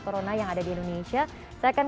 corona yang ada di indonesia saya akan